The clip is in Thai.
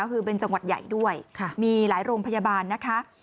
ก็คือเป็นจังหวัดใหญ่ด้วยมีหลายโรงพยาบาลนะคะ